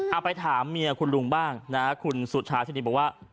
เอาไปถามเมียคุณลุงบ้างนะคุณสุชาธินีบอกว่า